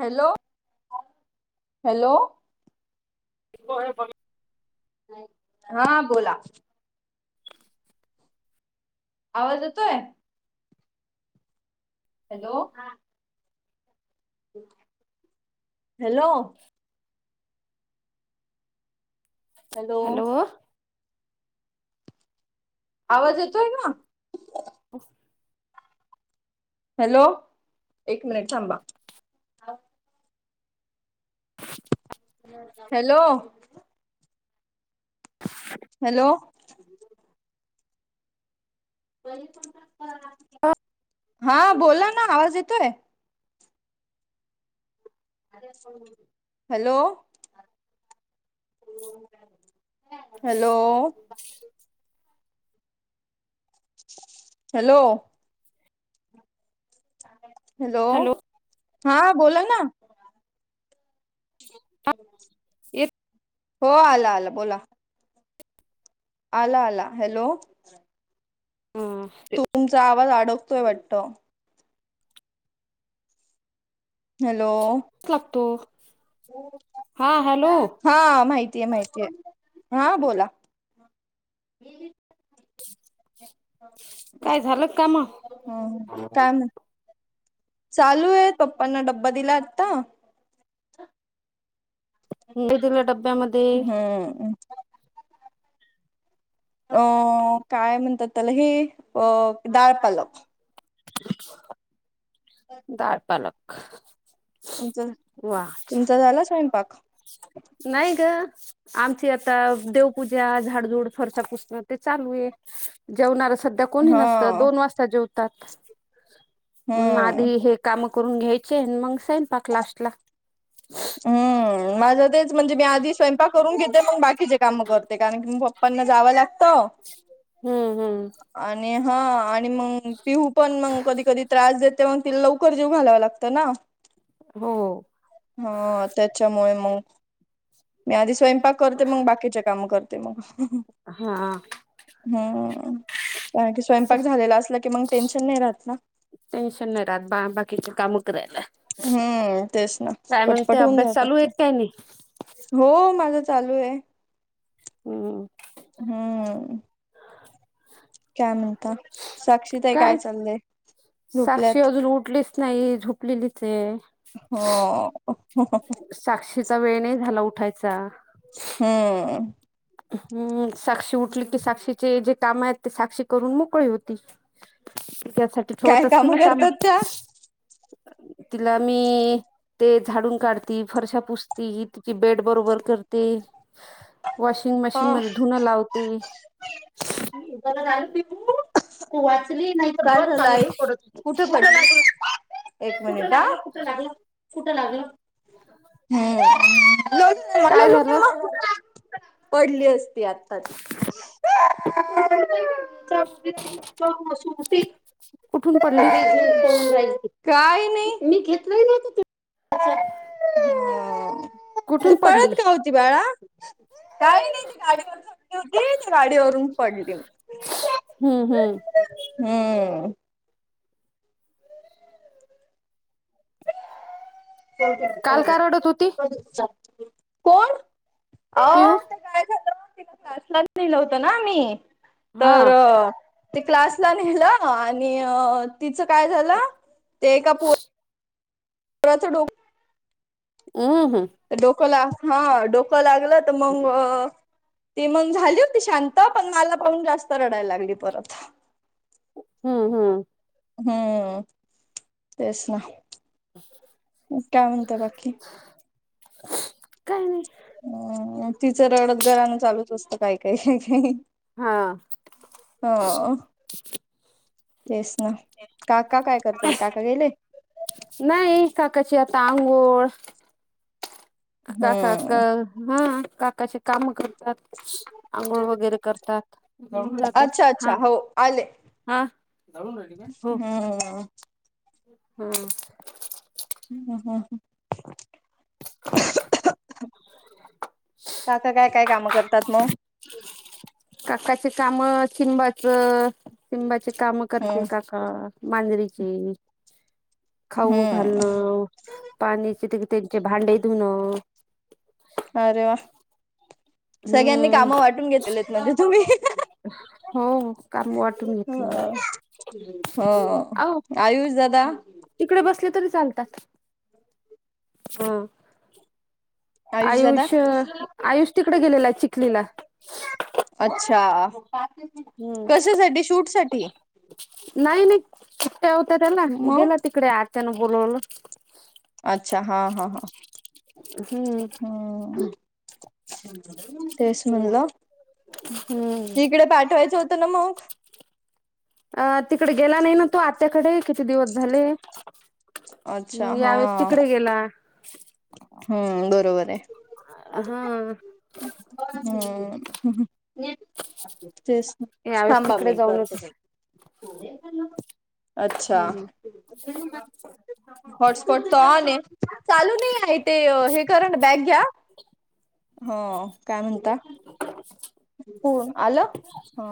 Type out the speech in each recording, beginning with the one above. Hello hello? होय बघ. हां बोला. आवाज येतोय? हॅलो हा? हॅलो? हॅलो? आवाज येतोय का? अस हॅलो एक मिनिट थांबा. हॅलो? हॅलो? हां बोला ना आवाज येतोय? हॅलो? हॅलो? हॅलो? हॅलो हां बोला ना. [unintelligible] ऐक हो आला आला बोला. आला आला. हॅलो? हम तुमचा आवाज अडकतोय वाटत. हॅलो? लागतो हां हॅलो? हा माहितीय माहितीय हां बोला काय झालं का मग हं काय म्ह चालू आहे पप्पांना डब्बा दिला आता ह उंडे दिलो डब्यामध्ये. हम्म. अह काय म्हणतात त्याला हे अ डाळपालक डाळ पालक तुमच वा तुमचा झाला स्वयंपाक? नाही ग, आमची आता देवपूजा, झाडझुड, फरश्या पुसणं ते चालू आहे जेवणार सध्या कोणी हा नसत. दोन वाजता जेवतात मग हम्म आधी हे काम करून घ्यायचे अन मग स्वंयपाक लास्ट ला हम् माझं तेच म्हणजे मी आधी स्वयंपाक करून घेते मग बाकीचे काम करते कारण की पप्पांना जाव लागत आणि हम्म हम्म आणि हा आणि मग पिऊू पण कधी कधी त्रास देते ते मग तिला लवकर जेऊ घालावं लागतं ना हो. हा त्याच्यामुळे मग, मी आधी स्वयंपाक करते मग बाकीचे काम करत ते मग, हा हा ते कारण की स्वयंपाक झालेला असला की मग टेन्शन नाही राहत ना टेन्शन नाही राहत बा बाकीची कामं करायला हम्म तेच ना काय म्हणते पटपट होऊन अभ्यास जातात चालू आहे ते काय नाही हो माझं चालू आहे हम्म. हा. काय म्हणता, साक्षीताई काय चाललंय? साक्षी झोपल्यात अजून उठलीच नाही झोपलेलीच आहे. हो. साक्षीचा वेळ नाही झाला उठायचा हम्म. हम्म, साक्षी उठली की साक्षीचे जे काम आहेत ते साक्षी करून मोकळी होती त्यासाठी काय ठेवत असते कामं ना काम करतात त्या? तिला मी ते झाडून काढती फरश्या पुसती, ही तिची बेड बरोबर करती वॉशिंग मशीनमध्ये धुणं लावती उगाला जायती तु वाचली नाही तर बाई [unintelligible] कुठे पडली एक मिनिट हा, कुठं लागल कुठं लागलं हा काय झालं [unintelligible] पडली असती आत आता ती [unintelligible] कुठून पडली [unintelligible] काही नाही मी घेतलं नाहीत [unintelligible] तू कुठून पडली पळत का होती बाळा काय नाही ते गाडीवरन ती न गाडीवरून पडली हम्म हम्म हम्म चल काल का रडत होती [unintelligible] कोण? अ पिऊ ते काय झालं [unintelligible] लिहिलं होत ना मी हा तर ते क्लासला नेलं आणि तिचं काय झालं ते एका पो [unintelligible] डोक हम्म हम्म. डोकं ला हा डोकं लागलं तर मग ती मग झाली होती शांत पण मला पाहून जास्त रडायला लागली परत [inaudible] हम्म हम्म. हम्म तेच ना मग काय म्हणता बाकी? काही नाही. हम तिचं रडत घराणं चालूच असतं काय काय काही हा हां तेच हं काका काय करतायत काका गेले? नाही काकाची आता आंघोळ काका का हम्म हां काकाचे काम कर आंघोळ वगैरे करतात मग जातात अच्छा अच्छा हां. हो आले. हां हो. हम्म हां. हं हं हं. [inaudible] काका काय काय कामं करतात मग? काकाचे काम चिंबाच चिंबाचे काम करते हम्म काका. अ मांजरीची खाऊ हम्म घालण पाण्याचे ती त्यांचे भांडेे धूण अरे वा! सगळ्यांनी हम्म कामं वाटून घेतलेत म्हणजे तुम्ही. हो काम वाटून घेतलं हं हो आहो आयुष दादा? तिकडे बसले तरी चालतात. ह आयुष आयुष तिकडे गेलेला आहे चिखलीला. अच्छा! हम्म कशासाठी शूट साठी नाही नाही. होत्या त्याला मग गेला तिकडे आत्यानं बोलवलं. अच्छा! हां हां हां हम्म हम्म. तेच म्हणलं हम्म इकडे पाठवायचं होतं ना मग. अ तिकडे गेला नाही ना तो आत्याकडे किती दिवस झाले. अच्छा मग हा यावेळेस तिकडे गेला. हम्म बरोबर आहे. हा हम तेच ना यावेळेस थांबा तिकडे मी जाऊन होत करते. अच्छा! हम्म हॉटस्पॉट तर ऑन आहे चालू नाही ते हे कर ना बॅग घ्या, हो काय म्हणता [unintelligible] हो आलं? हा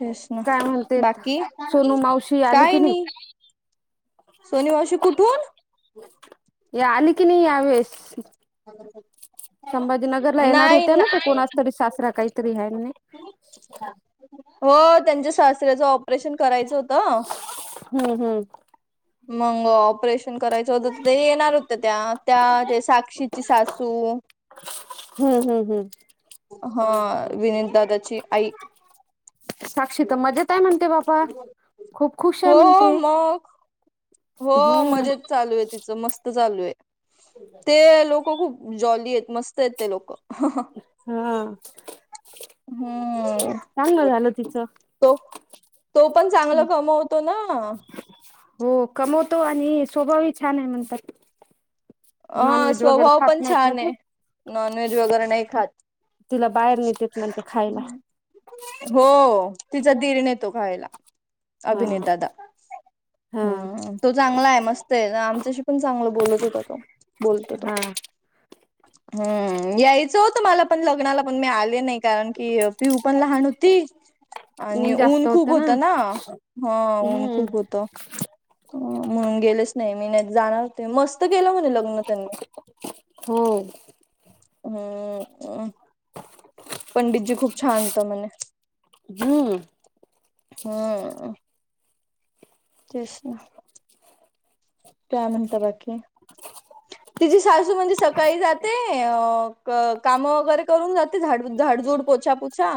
तेच ना काय म्हणते, बाकी सोनू मावशी आली की नाही? सोनी मावशी कुठून यात [unintelligible] [inaudible] संभाजीनगरला येणार होत्या ना त्या कोणाचा तरी सासरा काहीतरी आहे ना. हो त्यांच्या सासऱ्याचं ऑपरेशन करायचं होतं. [unintelligible] हम्म हम्म मंग ऑपरेशन करायचं होत तर ते येणार होत्या त्या त्या ते साक्षी सासू हम्म हम्म हम्म. हा विनित दादाची आई साक्षी तर मजेत आहे म्हणते बापा खूप खुश [inaudible] आहे हो म्हणते मग हो हम्म मजेेत चालू आहे तिथ. मस्त चालू आहे ते लोक खूप जॉली आहेत मस्त आहेत ते लोक. हां. हम्म. चांगलं झालं तिचं. तो तो पण चांगल कमवतो ना. हो कमवतो आणि स्वभावही छान आहे म्हणतात. नॉन हा व्हेज वगैरे स्वभाव खात पण नाहीत ना छान ते? आहे नॉनव्हेज वगैरे नाही खात तिला बाहेर नेतेत म्हणते खायला. हो तिचा दीरण येतो खायला, हा अभिनीत दादा. हा हम् तो चांगला आहे, मस्त आहे, आमच्याशी पण चांगला बोलत होता तो. बोलतो तो, हा हम्म यायचं होत मला पण लग्नाला पण मी आले नाही. कारण की, पिऊ पण लहान होती आणि ऊन खूप होत ना, हा ऊन हम्म खूप होत. म्हणून गेलेच नाही मी नाहीतर जाणार होते, मस्त केलं म्हणे ल [unintelligible] हो हम् पंडितजी खूप छान होता म्हणे हम्म हम्म तेच ना काय म्हणता बाकी? तिची सासू म्हणजे सकाळी जाते कामं वगैरे करून जाते झाड झाडजूड पोछा छा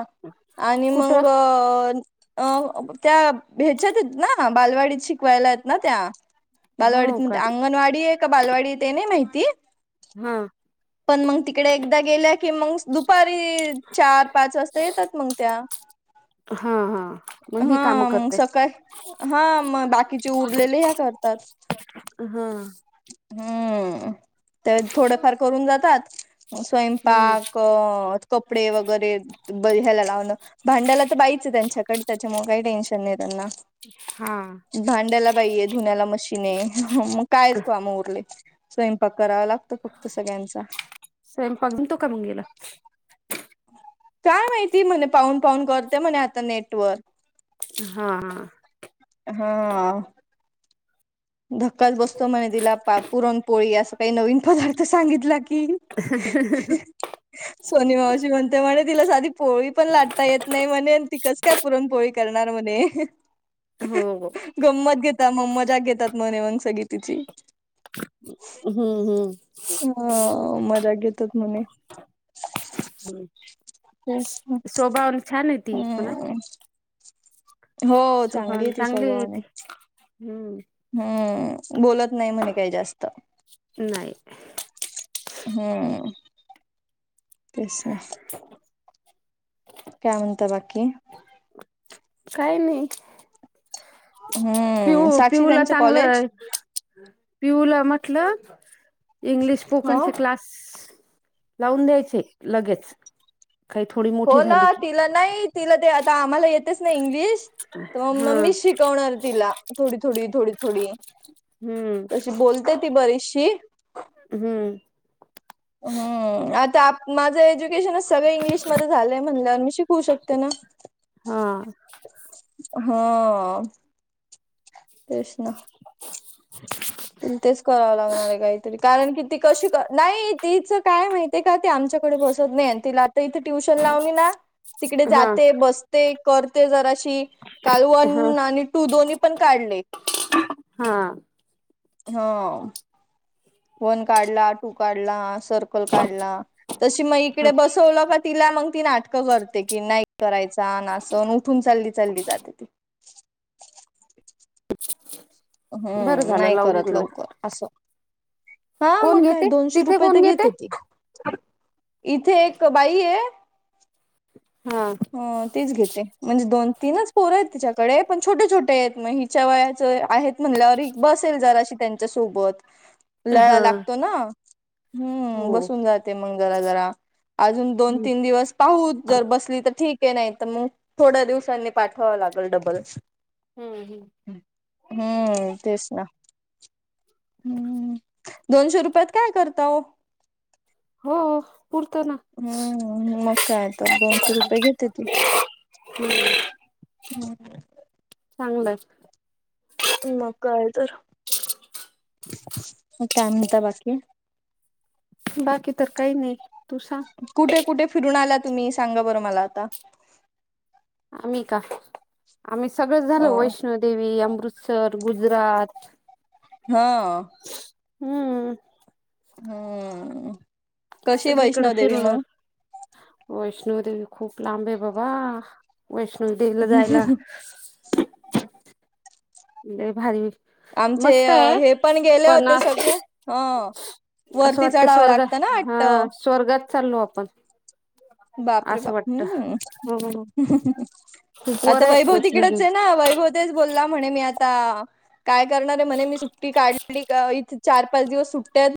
आणि कुठं मंग अ त्या भेच्यात आहेत ना बालवाडीत शिकवायला आहेत ना त्या हो बालवाडीत का अंगणवाडी आहे का बालवाडी ते नाही माहिती? हा. पण मग तिकडे एकदा गेल्या की मंग दुपारी चार पाच वाजता येतात मंग त्या हा हा मग ही काम हां मग करते सकाळी, हा मग बाकीचे उरलेले ह्या करतात. हा हम्म तर थोडफार करून जातात हम्म स्वयंपाक कपडे वगैरे ब ह्यायला लावणं भांड्याला तर बाईचं त्यांच्याकड त्याच्यामुळे काही टेन्शन नाही हे त्यांना हा. भांड्याला बाईए धुण्याला मशीन हे मग कायच काम उरले स्वयंपाक करावा लागतो फक्त सगळ्यांचा. स्वयंपाक जमतो का मग याला? काय माहिती म्हणे पाहून पाहून करते म्हणे आता नेटवर हां. हां. धक्काच बसतो म्हणे तिला पा पुरणपोळी असं काही नवीन पदार्थ सांगितला की. हं हं हं हं सोनी मावशी म्हणते म्हणे तिला साधी पोळी पण लाटता येत नाही म्हणे ती कस काय पुरणपोळी करणार म्हणे हो हो. गंमत घेतात मग मजाक घेतात म्हणे मग सगळी तिची. हम्म हम्म. हं मजा घेतात म्हने. तेच ना. शोभा आणि छान होती पुन्हा हम्म हो सुभाण आहे ती चांगली स्वभावाने येती हम्म. हम्म बोलत नाही म्हणे काही जास्त. नाही. हम्म्म्म तेच ना काय म्हणता बाकी? काय नाही हम्म पिऊू साक्षी पिऊू ला त्यांचं कॉलेज चांगलं पिऊ ला म्हटलं इंग्लिश ह स्पोकणचे क्लास लावून द्यायचे लगेच. काही थोडी हो मोठी ना झाली की तिला नाही तिला ते आता आम्हाला येतेच ना इंग्लिश तर मग हा म मीच शिकवणार तिला थोडी-थोडी, थोडी-थोडी हम्म तशी बोलते ती बरीचशी. हम्म. हम्म आता माझं एज्युकेशनच सगळं इंग्लिशमध्ये झालंय म्हणल्यावर मी शिकवू शकते ना. हां. हा तेच ना. [inaudible] तेच करावं लागणार आहे काहीतरी कारण कि ती कशी नाही तिचं काय माहित. ते का ते आमच्याकडे बसत नाही तिला ते इथे ट्युशन लावली ना तिकडे हा जाते, बसते, करते जराशी काल वन आणि टू दोन्ही पण काढले. हां. हों. वन काढला, टू काढला, सर्कल काढला तशी मग ह इकडे बसवला का तिला मग ती नाटकं करते कि नाही करायचा ना असण उठून चालली चालली जाते ती. [inaudible] बरं हम्म झालं नाही लावून करत दिलं लवकर असं हां कोण मग काय घेते दोनशे तिथे रुपये तर कोण घेते ती इथे एक बाई आहे. हां. हो तीच घेते म्हणजे दोन, तीनच पोरं आहेत तिच्याकडे पण छोटे-छोटे आहेत मग हिच्या वयाच आहेत म्हणलं अरे बसेल जराशी त्यांच्या सोबत लळा हा लागतो ना. हम्म हो बसून जाते मग जरा जरा. अजून दोन, हम्म तीन दिवस पाहू जर बसली तर ठीक आहे नाही तर मग थोड्या दिवसांनी पाठवावा लागेल डबल. हम्म हम्म. हम्म तेच ना हम्म. दोनशे रुपयात काय करता हो. हो पुरतं ना. हम्म मग काय तर दोनशे रुपये घेते ती. [inaudible] चांगलंय. ह मग कायतर काय म्हणता बाकी? बाकी तर काही नाही. तू सांग. कुठे कुठे फिरून आला तुम्ही सांगा बरं मला आता. आम्ही का आम्ही सगळं अ झालो वैष्णोदेवी, अमृतसर, गुजरात हां. हम्म. हम्म कशी सगळीकडे वैष्णवदेवी फिरून मग वैष्णोदेवी खूप लांब आहे बाबा वैष्णो देेवीला जायला. ते भारी आमचे मस्त आहे हे पण गेले होते सगळे ह असं वरती वाटते चढावं स्वर्ग लागतं ना हा वाटत स्वर्गात चालो आपण बाप रे असं बाप वाटत हो हम् खूप वर आता आहे वैभव वैष्णोदेवी तिकडेच आहे ना वैभव ब म्हणे मी आता काय करणारे म्हणे मी सुट्टी काढली? इथे चार पाच दिवस सुटत्यात